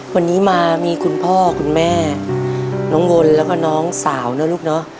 วันนี้มามีคุณพ่อคุณแม่น้องวนแล้วก็น้องสาวนะลูกเนอะ